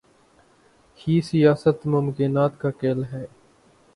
ہی سیاست ممکنات کا کھیل ہے۔